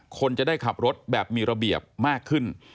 คนจะได้ขับรถแบบมีระเบียบมากขึ้น